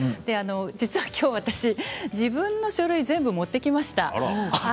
実は今日、私自分の書類、全部持ってきました。